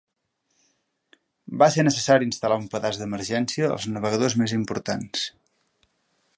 Va ser necessari instal·lar un pedaç d'emergència als navegadors més importants.